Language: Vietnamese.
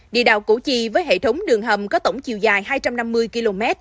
địa đạo củ chi với hệ thống đường hầm có tổng chiều dài hai trăm năm mươi km